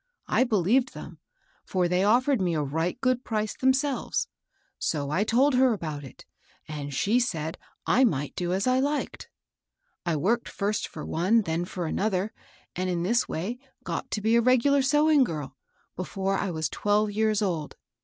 I believed them, for they offered me a right good price themselves; so I told her about it, and sh^ said I might do as I liked. " I worked first for one, then for another, and in this way got to be a regular sewing girl before I was twelve years old.